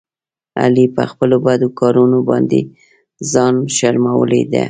علي په خپلو بدو کارونو باندې ځان شرمولی دی.